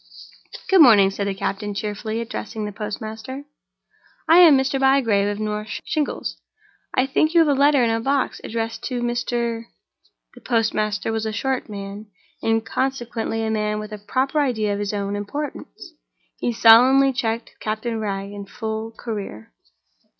"Good morning," said the captain, cheerfully addressing the postmaster. "I am Mr. Bygrave of North Shingles. I think you have a letter in the box, addressed to Mr.—?" The postmaster was a short man, and consequently a man with a proper idea of his own importance. He solemnly checked Captain Wragge in full career.